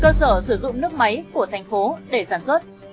cơ sở sử dụng nước máy của thành phố để sản xuất